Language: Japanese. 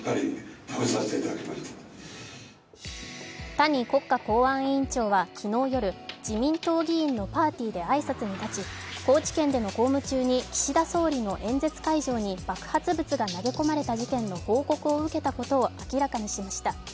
谷国家公安委員長は昨日夜、自民党議員のパーティーで挨拶に立ち、高知県での公務中に岸田総理の演説会場に爆発物が投げ込まれた事件の報告を受けたことを明らかにしました。